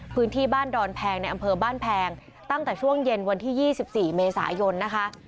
พื้นที่บ้านดอนแพงในอำเภอบ้านแพงตั้งแต่ช่วงเย็นวันที่๒๔เมษายนนะคะ